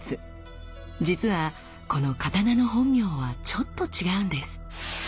実はこの刀の本名はちょっと違うんです。